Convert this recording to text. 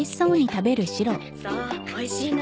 そうおいしいの？